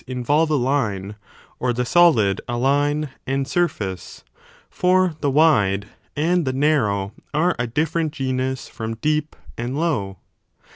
43 involve a line, or the solid a line and surface, for the wide and the narrow are a different genus from deep and low?